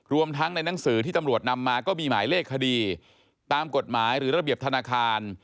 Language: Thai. รวมทั้งในหนังสือที่ตำรวจนำมาก็มีหมายเลขคดีตามกฎหมายหรือระเบียบธนาคาร